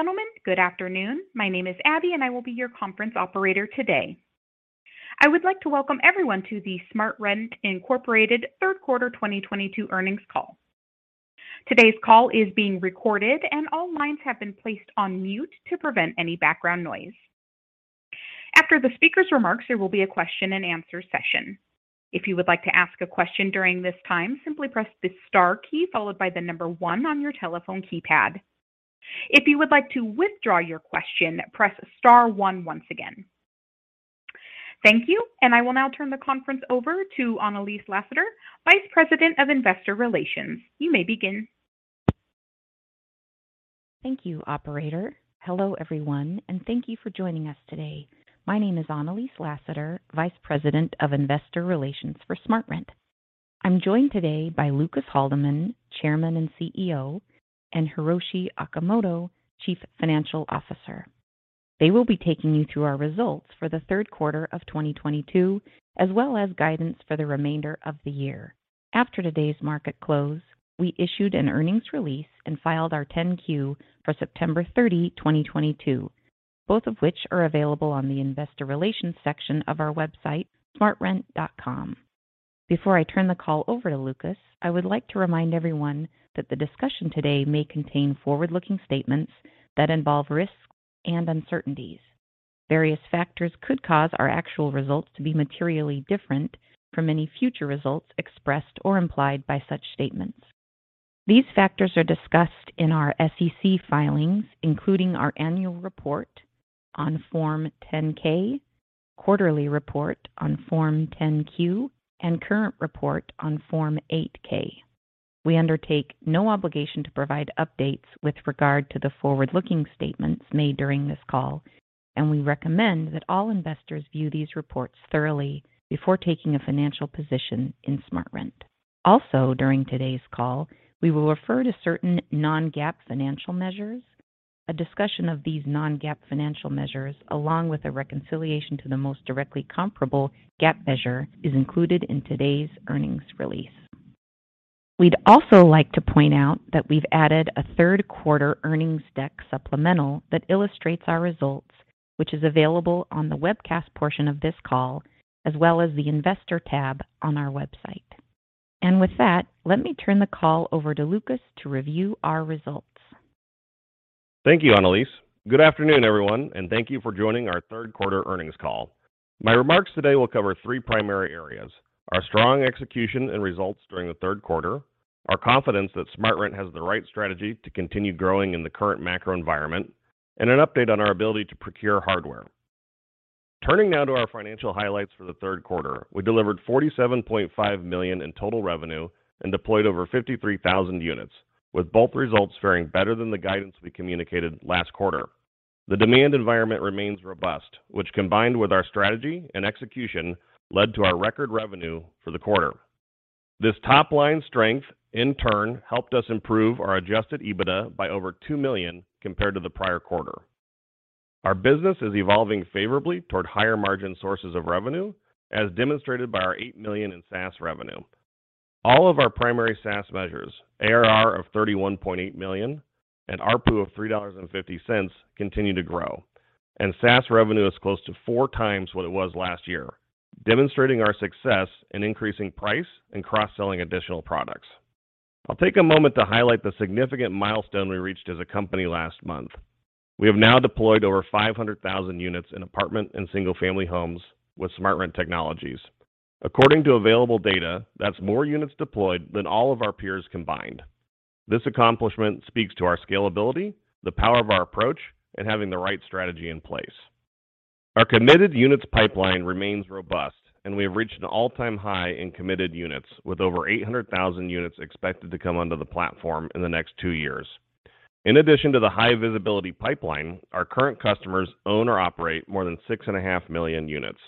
Ladies and gentlemen, good afternoon. My name is Abby, and I will be your conference operator today. I would like to welcome everyone to the SmartRent, Inc. third quarter 2022 earnings call. Today's call is being recorded, and all lines have been placed on mute to prevent any background noise. After the speaker's remarks, there will be a question-and-answer session. If you would like to ask a question during this time, simply press the star key followed by the number one on your telephone keypad. If you would like to withdraw your question, press star one once again. Thank you, and I will now turn the conference over to Annalise Lasater, Vice President of Investor Relations. You may begin. Thank you, operator. Hello, everyone, and thank you for joining us today. My name is Annalise Lasater, Vice President of Investor Relations for SmartRent. I'm joined today by Lucas Haldeman, Chairman and CEO, and Hiroshi Okamoto, Chief Financial Officer. They will be taking you through our results for the third quarter of 2022, as well as guidance for the remainder of the year. After today's market close, we issued an earnings release and filed our 10-Q for September 30, 2022, both of which are available on the investor relations section of our website, smartrent.com. Before I turn the call over to Lucas, I would like to remind everyone that the discussion today may contain forward-looking statements that involve risks and uncertainties. Various factors could cause our actual results to be materially different from any future results expressed or implied by such statements. These factors are discussed in our SEC filings, including our annual report on Form 10-K, quarterly report on Form 10-Q, and current report on Form 8-K. We undertake no obligation to provide updates with regard to the forward-looking statements made during this call, and we recommend that all investors view these reports thoroughly before taking a financial position in SmartRent. Also, during today's call, we will refer to certain non-GAAP financial measures. A discussion of these non-GAAP financial measures, along with a reconciliation to the most directly comparable GAAP measure, is included in today's earnings release. We'd also like to point out that we've added a third quarter earnings deck supplemental that illustrates our results, which is available on the webcast portion of this call, as well as the investor tab on our website. With that, let me turn the call over to Lucas to review our results. Thank you, Annalise. Good afternoon, everyone, and thank you for joining our third quarter earnings call. My remarks today will cover three primary areas, our strong execution and results during the third quarter, our confidence that SmartRent has the right strategy to continue growing in the current macro environment, and an update on our ability to procure hardware. Turning now to our financial highlights for the third quarter. We delivered $47.5 million in total revenue and deployed over 53,000 units, with both results faring better than the guidance we communicated last quarter. The demand environment remains robust, which, combined with our strategy and execution, led to our record revenue for the quarter. This top-line strength, in turn, helped us improve our Adjusted EBITDA by over $2 million compared to the prior quarter. Our business is evolving favorably toward higher-margin sources of revenue, as demonstrated by our $8 million in SaaS revenue. All of our primary SaaS measures, ARR of $31.8 million and ARPU of $3.50, continue to grow. SaaS revenue is close to four times what it was last year, demonstrating our success in increasing price and cross-selling additional products. I'll take a moment to highlight the significant milestone we reached as a company last month. We have now deployed over 500,000 units in apartment and single-family homes with SmartRent Technologies. According to available data, that's more units deployed than all of our peers combined. This accomplishment speaks to our scalability, the power of our approach, and having the right strategy in place. Our committed units pipeline remains robust, and we have reached an all-time high in committed units, with over 800,000 units expected to come onto the platform in the next two years. In addition to the high-visibility pipeline, our current customers own or operate more than 6.5 million units.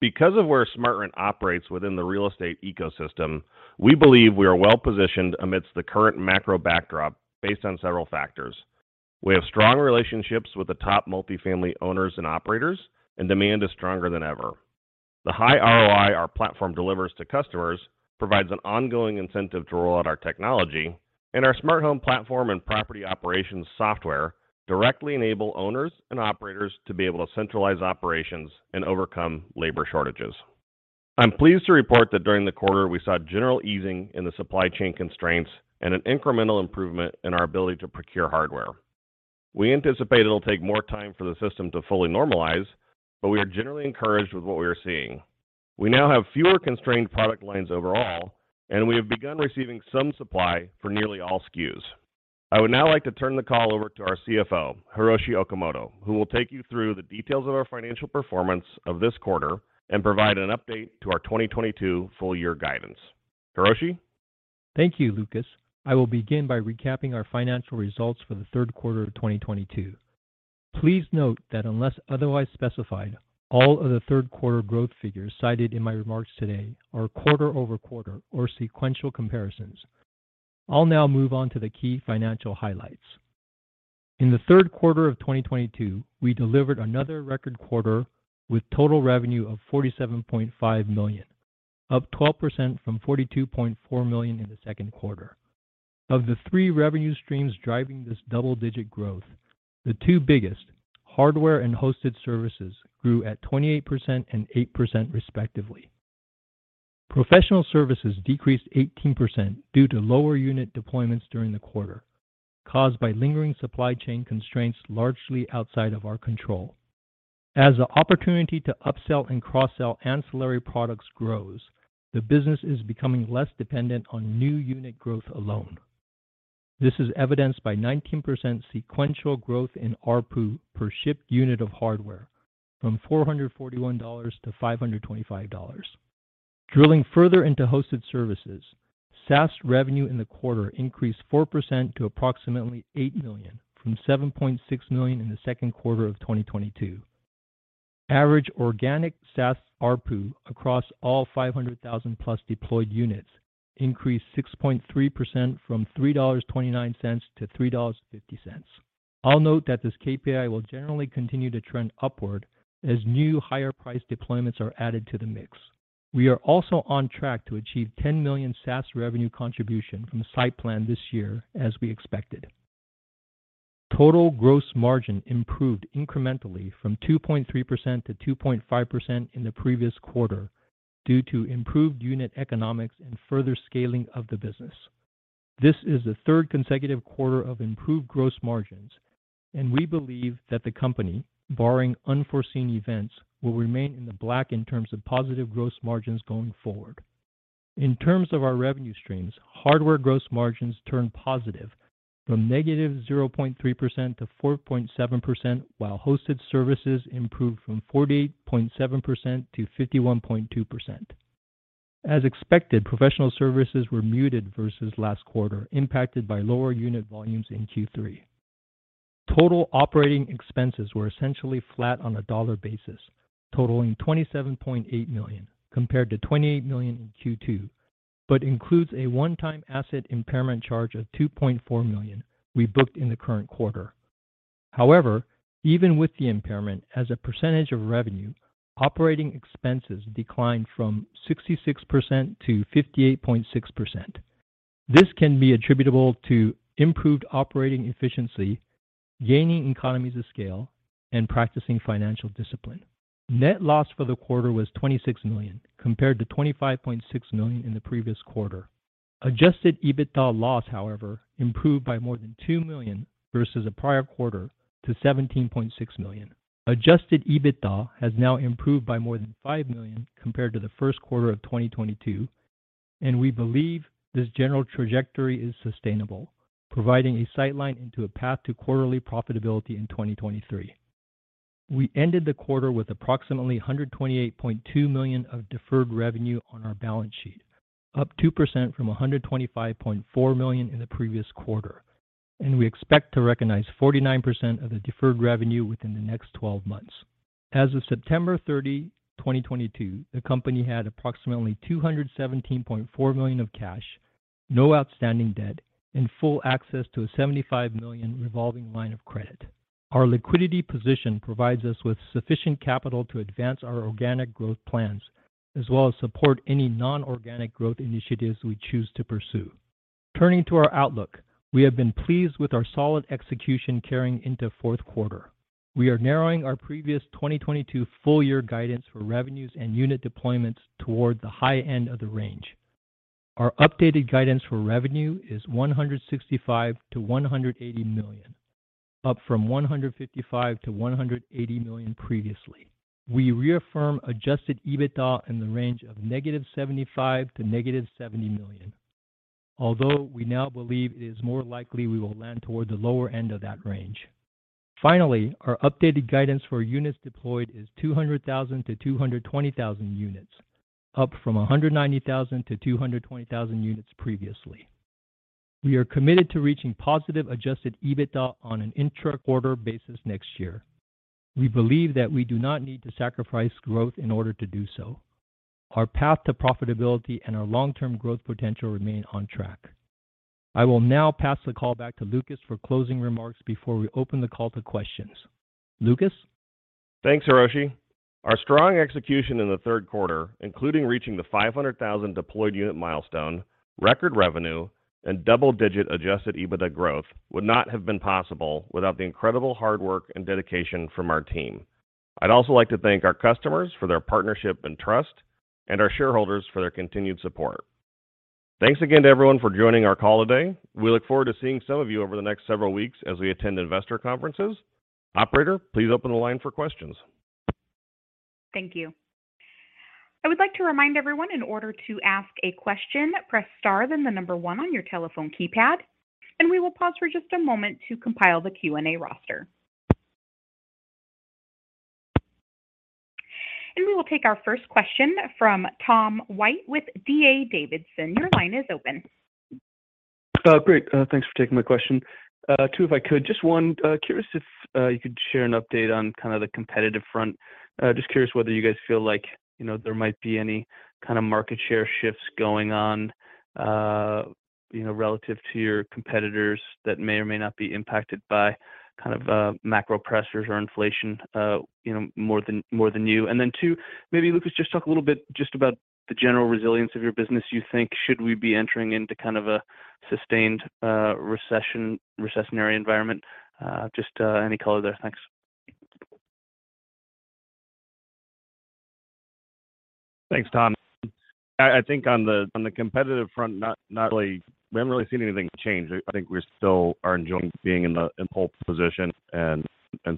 Because of where SmartRent operates within the real estate ecosystem, we believe we are well-positioned amidst the current macro backdrop based on several factors. We have strong relationships with the top multifamily owners and operators, and demand is stronger than ever. The high ROI our platform delivers to customers provides an ongoing incentive to roll out our technology, and our Smart Home platform and property operations software directly enable owners and operators to be able to centralize operations and overcome labor shortages. I'm pleased to report that during the quarter we saw general easing in the supply chain constraints and an incremental improvement in our ability to procure hardware. We anticipate it'll take more time for the system to fully normalize, but we are generally encouraged with what we are seeing. We now have fewer constrained product lines overall, and we have begun receiving some supply for nearly all SKUs. I would now like to turn the call over to our CFO, Hiroshi Okamoto, who will take you through the details of our financial performance of this quarter and provide an update to our 2022 full year guidance. Hiroshi. Thank you, Lucas. I will begin by recapping our financial results for the third quarter of 2022. Please note that unless otherwise specified, all of the third quarter growth figures cited in my remarks today are quarter-over-quarter or sequential comparisons. I'll now move on to the key financial highlights. In the third quarter of 2022, we delivered another record quarter with total revenue of $47.5 million. Up 12% from $42.4 million in the second quarter. Of the three revenue streams driving this double-digit growth, the two biggest, hardware and hosted services, grew at 28% and 8% respectively. Professional services decreased 18% due to lower unit deployments during the quarter, caused by lingering supply chain constraints largely outside of our control. As the opportunity to upsell and cross-sell ancillary products grows, the business is becoming less dependent on new unit growth alone. This is evidenced by 19% sequential growth in ARPU per shipped unit of hardware from $441-$525. Drilling further into hosted services, SaaS revenue in the quarter increased 4% to approximately $8 million from $7.6 million in the second quarter of 2022. Average organic SaaS ARPU across all 500,000+ deployed units increased 6.3% from $3.29-$3.50. I'll note that this KPI will generally continue to trend upward as new higher price deployments are added to the mix. We are also on track to achieve $10 million SaaS revenue contribution from SightPlan this year, as we expected. Total gross margin improved incrementally from 2.3%-2.5% in the previous quarter due to improved unit economics and further scaling of the business. This is the third consecutive quarter of improved gross margins, and we believe that the company, barring unforeseen events, will remain in the black in terms of positive gross margins going forward. In terms of our revenue streams, hardware gross margins turned positive from -0.3% to 4.7%, while hosted services improved from 48.7%-51.2%. As expected, professional services were muted versus last quarter, impacted by lower unit volumes in Q3. Total operating expenses were essentially flat on a dollar basis, totaling $27.8 million, compared to $28 million in Q2, but includes a one-time asset impairment charge of $2.4 million we booked in the current quarter. However, even with the impairment, as a percentage of revenue, operating expenses declined from 66%-58.6%. This can be attributable to improved operating efficiency, gaining economies of scale, and practicing financial discipline. Net loss for the quarter was $26 million, compared to $25.6 million in the previous quarter. Adjusted EBITDA loss, however, improved by more than $2 million versus the prior quarter to $17.6 million. Adjusted EBITDA has now improved by more than $5 million compared to the first quarter of 2022, and we believe this general trajectory is sustainable, providing a sight line into a path to quarterly profitability in 2023. We ended the quarter with approximately $128.2 million of deferred revenue on our balance sheet, up 2% from $125.4 million in the previous quarter, and we expect to recognize 49% of the deferred revenue within the next twelve months. As of September 30, 2022, the company had approximately $217.4 million of cash, no outstanding debt, and full access to a $75 million revolving line of credit. Our liquidity position provides us with sufficient capital to advance our organic growth plans, as well as support any non-organic growth initiatives we choose to pursue. Turning to our outlook, we have been pleased with our solid execution carrying into fourth quarter. We are narrowing our previous 2022 full year guidance for revenues and unit deployments toward the high end of the range. Our updated guidance for revenue is $165 million-$180 million, up from $155 million-$180 million previously. We reaffirm adjusted EBITDA in the range of -$75 million to -$70 million, although we now believe it is more likely we will land toward the lower end of that range. Finally, our updated guidance for units deployed is 200,000-220,000 units, up from 190,000-220,000 units previously. We are committed to reaching positive adjusted EBITDA on an intra-quarter basis next year. We believe that we do not need to sacrifice growth in order to do so. Our path to profitability and our long-term growth potential remain on track. I will now pass the call back to Lucas for closing remarks before we open the call to questions. Lucas? Thanks, Hiroshi. Our strong execution in the third quarter, including reaching the 500,000 deployed unit milestone, record revenue, and double-digit adjusted EBITDA growth, would not have been possible without the incredible hard work and dedication from our team. I'd also like to thank our customers for their partnership and trust, and our shareholders for their continued support. Thanks again to everyone for joining our call today. We look forward to seeing some of you over the next several weeks as we attend investor conferences. Operator, please open the line for questions. Thank you. I would like to remind everyone in order to ask a question, press star, then the number one on your telephone keypad, and we will pause for just a moment to compile the Q&A roster. We will take our first question from Tom White with D.A. Davidson. Your line is open. Great. Thanks for taking my question. Two if I could. Just one, curious if you could share an update on kind of the competitive front. Just curious whether you guys feel like, you know, there might be any kind of market share shifts going on, you know, relative to your competitors that may or may not be impacted by kind of macro pressures or inflation, you know, more than you. Then two, maybe Lucas, just talk a little bit just about the general resilience of your business you think should we be entering into kind of a sustained recessionary environment. Just any color there. Thanks. Thanks, Tom. I think on the competitive front, not really. We haven't really seen anything change. I think we still are enjoying being in pole position and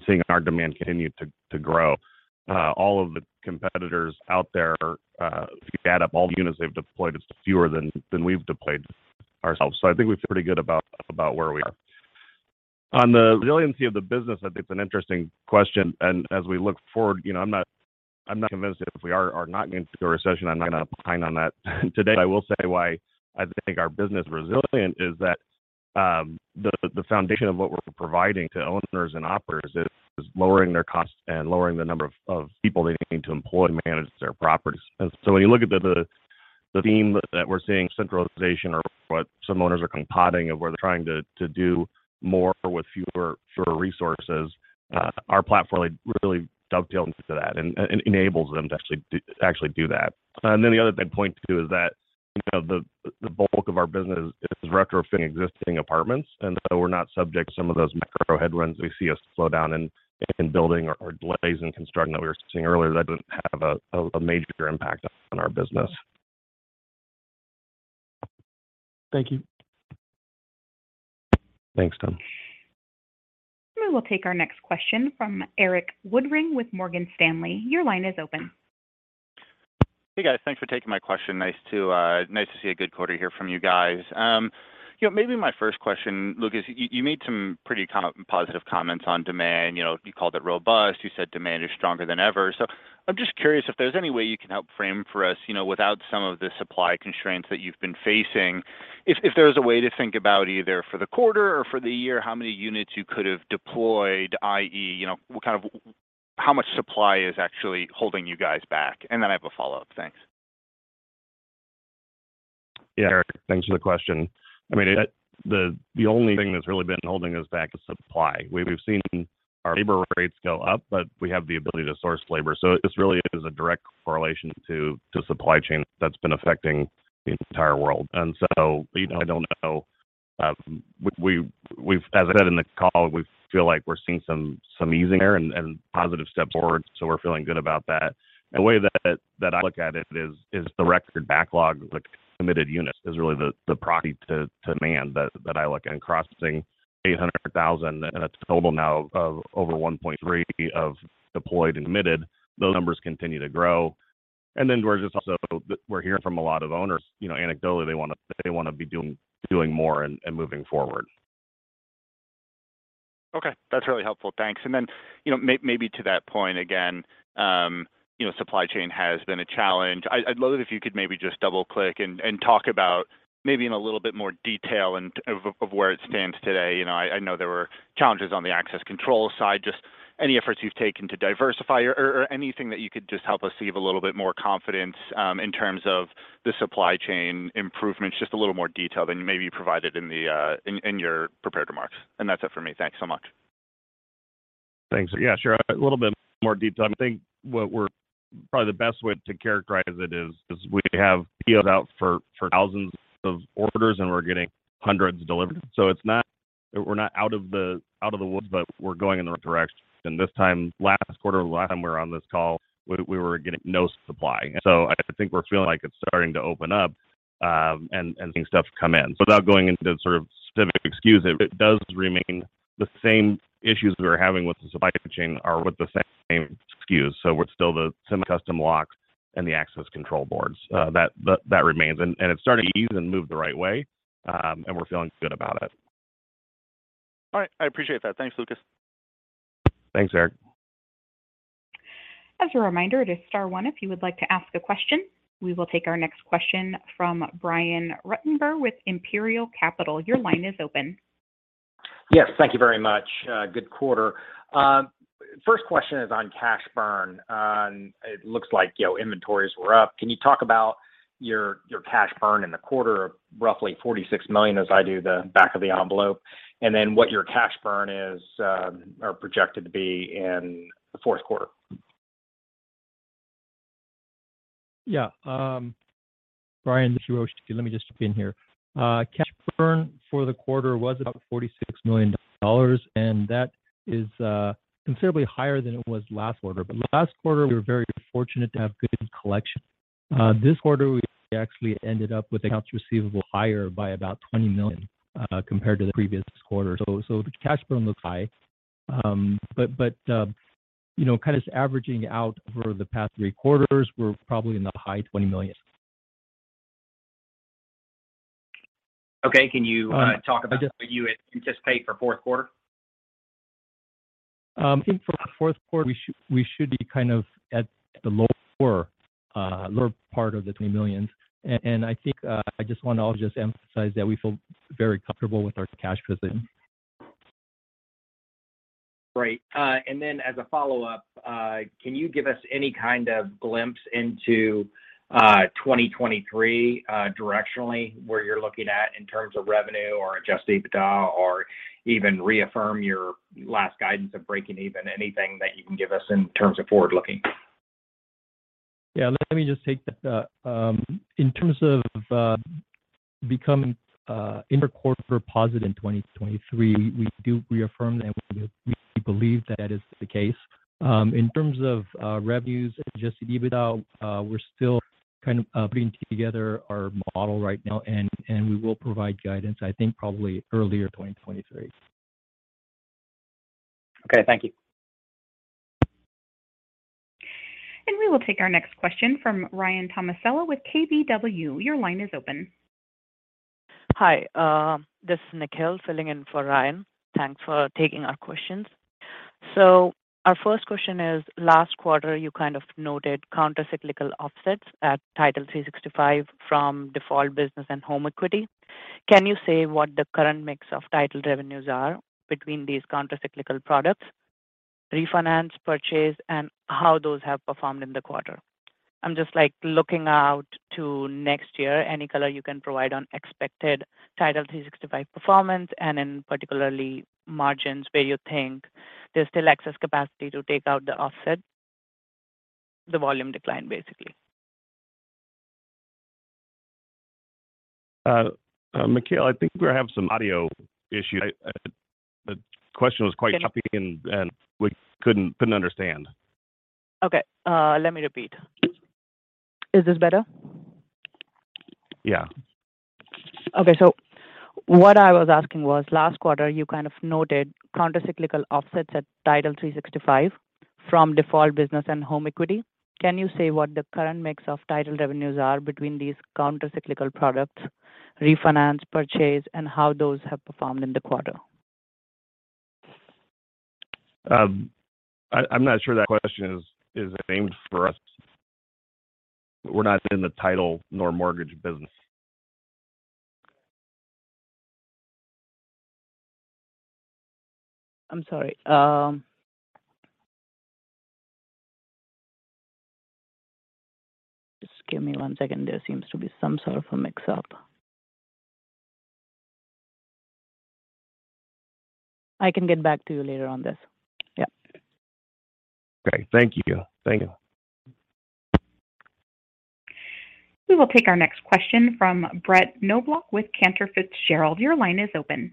seeing our demand continue to grow. All of the competitors out there, if you add up all the units they've deployed, it's fewer than we've deployed ourselves. So I think we feel pretty good about where we are. On the resiliency of the business, I think it's an interesting question. As we look forward, you know, I'm not convinced if we are or not going into a recession. I'm not gonna opine on that today. I will say why I think our business is resilient is that, the foundation of what we're providing to owners and operators is lowering their costs and lowering the number of people they need to employ to manage their properties. When you look at the theme that we're seeing, centralization or what some owners are contemplating of where they're trying to do more with fewer resources, our platform really dovetails into that and enables them to actually do that. The other thing I'd point to is that, you know, the bulk of our business is retrofitting existing apartments, and so we're not subject to some of those macro headwinds. We see a slowdown in building or delays in construction that we were seeing earlier. That doesn't have a major impact on our business. Thank you. Thanks, Tom. We will take our next question from Erik Woodring with Morgan Stanley. Your line is open. Hey, guys. Thanks for taking my question. Nice to see a good quarter here from you guys. You know, maybe my first question, Lucas, you made some pretty kind of positive comments on demand. You know, you called it robust. You said demand is stronger than ever. I'm just curious if there's any way you can help frame for us, you know, without some of the supply constraints that you've been facing, if there's a way to think about either for the quarter or for the year, how many units you could have deployed, i.e., you know, what kind of how much supply is actually holding you guys back? Then I have a follow-up. Thanks. Yeah, Erik, thanks for the question. I mean, the only thing that's really been holding us back is supply. We've seen our labor rates go up, but we have the ability to source labor. This really is a direct correlation to supply chain that's been affecting the entire world. You know, I don't know, as I said in the call, we feel like we're seeing some easing there and positive steps forward, so we're feeling good about that. The way that I look at it is the record backlog of the committed units is really the proxy to demand that I look at. Crossing 800,000, and it's a total now of over 1.3 million deployed and committed, those numbers continue to grow. We're hearing from a lot of owners, you know, anecdotally, they wanna be doing more and moving forward. Okay. That's really helpful. Thanks. Then, you know, maybe to that point again, you know, supply chain has been a challenge. I'd love it if you could maybe just double-click and talk about maybe in a little bit more detail in terms of where it stands today. You know, I know there were challenges on the access control side. Just any efforts you've taken to diversify or anything that you could just help us see with a little bit more confidence in terms of the supply chain improvements, just a little more detail than you maybe provided in your prepared remarks. That's it for me. Thanks so much. Thanks. Yeah, sure. A little bit more detail. I think probably the best way to characterize it is we have POs out for thousands of orders, and we're getting hundreds delivered. So we're not out of the woods, but we're going in the right direction. This time last quarter, the last time we were on this call, we were getting no supply. So I think we're feeling like it's starting to open up, and seeing stuff come in. So without going into the sort of specific SKUs, it does remain the same issues we were having with the supply chain are with the same SKUs. So we're still the semi-custom locks and the access control boards, that remains. It's starting to ease and move the right way, and we're feeling good about it. All right. I appreciate that. Thanks, Lucas. Thanks, Erik. As a reminder, it is star one if you would like to ask a question. We will take our next question from Brian Ruttenbur with Imperial Capital. Your line is open. Yes. Thank you very much. Good quarter. First question is on cash burn. It looks like, you know, inventories were up. Can you talk about your cash burn in the quarter of roughly $46 million as I do the back of the envelope, and then what your cash burn is, or projected to be in the fourth quarter? Yeah. Brian, this is Hiroshi. Let me just jump in here. Cash burn for the quarter was about $46 million, and that is considerably higher than it was last quarter. Last quarter, we were very fortunate to have good collections. This quarter, we actually ended up with accounts receivable higher by about $20 million compared to the previous quarter. The cash burn looks high. You know, kind of averaging out over the past three quarters, we're probably in the high 20 millions. Okay. Can you talk about what you anticipate for fourth quarter? I think for the fourth quarter, we should be kind of at the lower part of the $20 million. I think I just want to also just emphasize that we feel very comfortable with our cash position. Great. As a follow-up, can you give us any kind of glimpse into 2023, directionally, where you're looking at in terms of revenue or adjusted EBITDA or even reaffirm your last guidance of breaking even? Anything that you can give us in terms of forward looking? Yeah. Let me just take that. In terms of become intra-quarter for positive in 2023. We do reaffirm that we believe that is the case. In terms of revenues, adjusted EBITDA, we're still kind of putting together our model right now and we will provide guidance, I think, probably earlier 2023. Okay. Thank you. We will take our next question from Ryan Tomasello with KBW. Your line is open. Hi, this is Nikhil filling in for Ryan. Thanks for taking our questions. Our first question is, last quarter you kind of noted countercyclical offsets at Title365 from default business and home equity. Can you say what the current mix of Title revenues are between these countercyclical products, refinance, purchase, and how those have performed in the quarter? Just, like, looking out to next year, any color you can provide on expected Title365 performance and in particular margins where you think there's still excess capacity to take out the offset, the volume decline basically. Nikhil, I think we're having some audio issue. The question was quite choppy and we couldn't understand. Okay, let me repeat. Is this better? Yeah. Okay. What I was asking was last quarter you kind of noted countercyclical offsets at Title365 from default business and home equity. Can you say what the current mix of Title365 revenues are between these countercyclical products, refinance, purchase, and how those have performed in the quarter? I'm not sure that question is aimed for us. We're not in the title nor mortgage business. I'm sorry. Just give me one second. There seems to be some sort of a mix-up. I can get back to you later on this. Yeah. Okay. Thank you. Thank you. We will take our next question from Brett Knoblauch with Cantor Fitzgerald. Your line is open.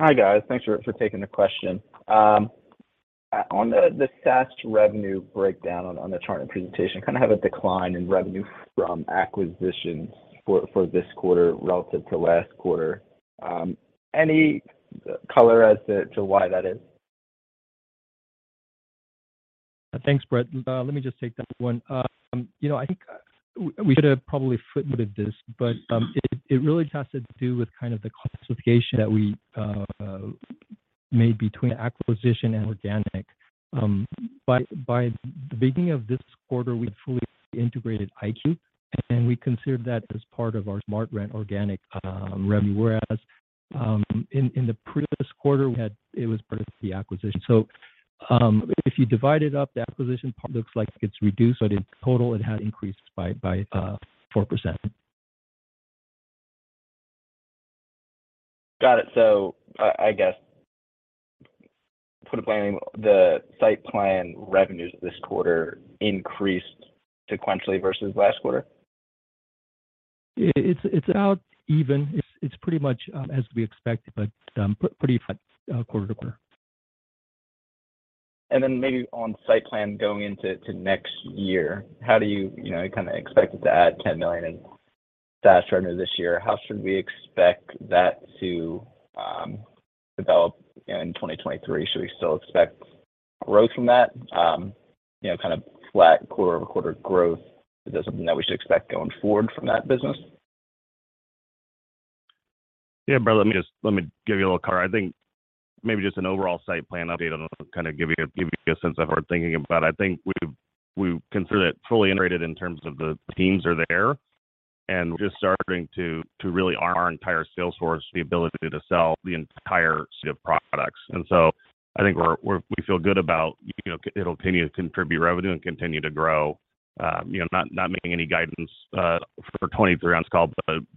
Hi, guys. Thanks for taking the question. On the SaaS revenue breakdown on the chart and presentation, kind of have a decline in revenue from acquisitions for this quarter relative to last quarter. Any color as to why that is? Thanks, Brett. Let me just take that one. You know, I think we should have probably footnoted this, but it really has to do with kind of the classification that we made between acquisition and organic. By the beginning of this quarter, we had fully integrated iQuue, and we considered that as part of our SmartRent organic revenue, whereas in the previous quarter it was part of the acquisition. If you divide it up, the acquisition part looks like it's reduced, but in total it had increased by 4%. Got it. I guess the SightPlan revenues this quarter increased sequentially versus last quarter. It's about even. It's pretty much as we expected, but pretty flat quarter-over-quarter. Then maybe on SightPlan going into next year, how do you know, kind of expect it to add $10 million in SaaS revenue this year? How should we expect that to develop in 2023? Should we still expect growth from that? You know, kind of flat quarter-over-quarter growth, is that something that we should expect going forward from that business? Yeah. Brett, let me give you a little color. I think maybe just an overall SightPlan update on, kind of give you a sense of what we're thinking about. I think we've considered it fully integrated in terms of the teams are there, and we're just starting to really arm our entire sales force the ability to sell the entire suite of products. I think we feel good about, you know, it'll continue to contribute revenue and continue to grow. You know, not making any guidance for 2023 on this call,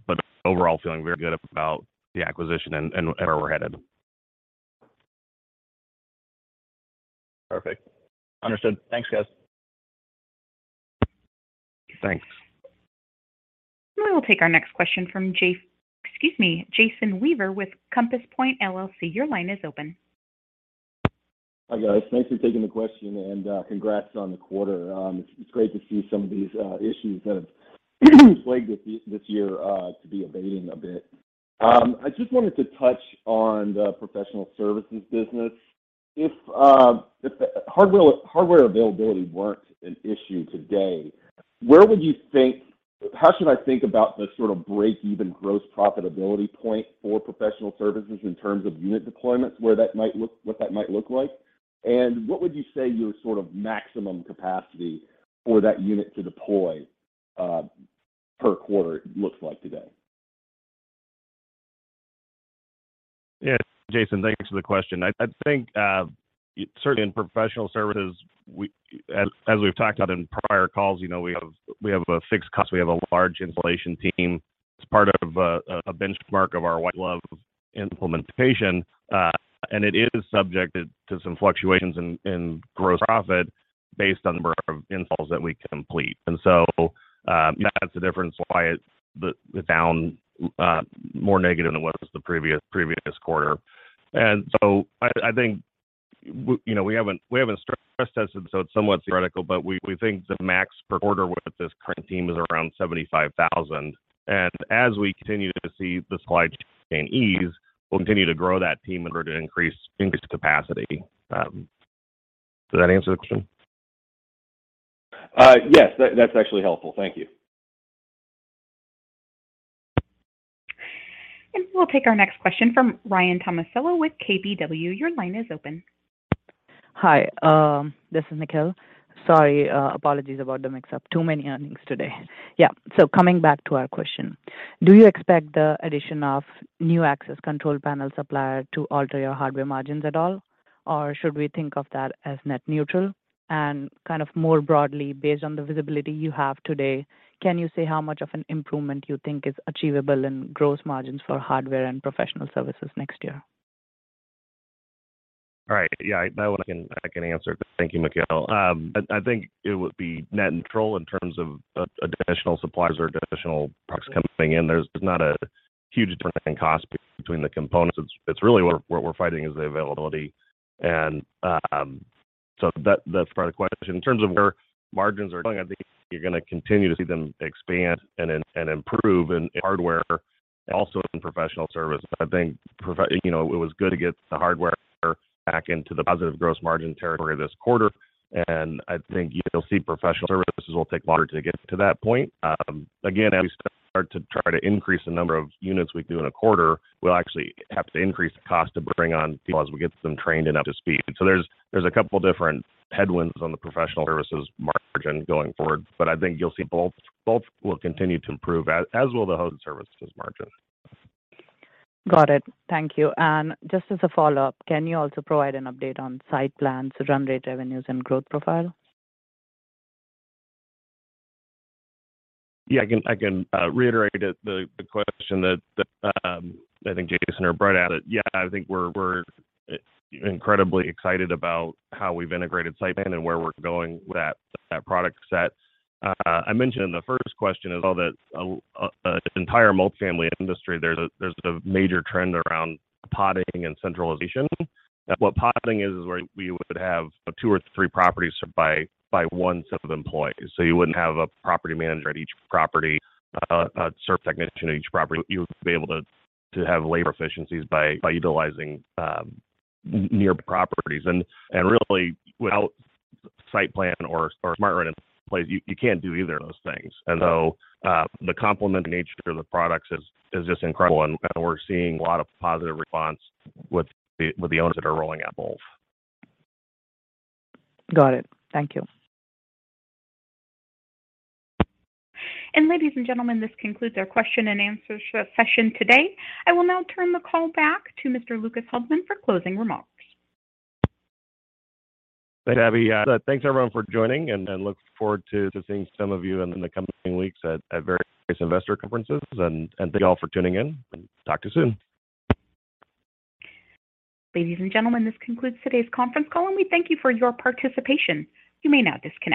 but overall feeling very good about the acquisition and where we're headed. Perfect. Understood. Thanks, guys. Thanks. We will take our next question from Jason Weaver with Compass Point LLC. Your line is open. Hi, guys. Thanks for taking the question, and, congrats on the quarter. It's great to see some of these issues that have plagued this year to be abating a bit. I just wanted to touch on the professional services business. If the hardware availability weren't an issue today, how should I think about the sort of break-even gross profitability point for professional services in terms of unit deployments, what that might look like? What would you say your sort of maximum capacity for that unit to deploy per quarter looks like today? Yeah. Jason, thanks for the question. I think, certainly in Professional Services, as we've talked about in prior calls, you know, we have a fixed cost. We have a large installation team. It's part of a benchmark of our White Glove implementation, and it is subjected to some fluctuations in gross profit based on the number of installs that we complete. That's the difference why it's down, more negative than what it was the previous quarter. I think, you know, we haven't stress tested, so it's somewhat theoretical, but we think the max per order with this current team is around 75,000. As we continue to see the supply chain ease, we'll continue to grow that team in order to increase capacity. Does that answer the question? Yes. That, that's actually helpful. Thank you. We'll take our next question from Ryan Tomasello with KBW. Your line is open. Hi, this is Nikhil. Sorry, apologies about the mix-up. Too many earnings today. Yeah, coming back to our question. Do you expect the addition of new access control panel supplier to alter your hardware margins at all, or should we think of that as net neutral? Kind of more broadly, based on the visibility you have today, can you say how much of an improvement you think is achievable in gross margins for hardware and professional services next year? Right. Yeah, that one I can answer. Thank you, Nikhil. I think it would be net neutral in terms of additional suppliers or additional products coming in. There's not a huge difference in cost between the components. It's really what we're fighting is the availability, so that's part of the question. In terms of where margins are going, I think you're gonna continue to see them expand and improve in hardware and also in professional services. I think you know, it was good to get the hardware back into the positive gross margin territory this quarter, and I think you'll see professional services will take longer to get to that point. Again, as we start to try to increase the number of units we do in a quarter, we'll actually have to increase the cost to bring on people as we get them trained and up to speed. There's a couple different headwinds on the Professional Services margin going forward, but I think you'll see both will continue to improve, as will the Hosted Services margin. Got it. Thank you. Just as a follow-up, can you also provide an update on SightPlan, run rate revenues, and growth profile? Yeah. I can reiterate it, the question that I think Jason or Brett asked. Yeah, I think we're incredibly excited about how we've integrated SightPlan and where we're going with that product set. I mentioned in the first question as well that the entire multifamily industry, there's a major trend around podding and centralization. What podding is is where we would have two or three properties served by one set of employees. You wouldn't have a property manager at each property, service technician at each property. You would be able to have labor efficiencies by utilizing nearby properties. Really, without SightPlan or SmartRent in place, you can't do either of those things. The complementary nature of the products is just incredible, and we're seeing a lot of positive response with the owners that are rolling out both. Got it. Thank you. Ladies and gentlemen, this concludes our question and answer session today. I will now turn the call back to Mr. Lucas Haldeman for closing remarks. Thanks, Abby. Thanks everyone for joining, and look forward to seeing some of you in the coming weeks at various investor conferences. Thank you all for tuning in, and talk to you soon. Ladies and gentlemen, this concludes today's conference call, and we thank you for your participation. You may now disconnect.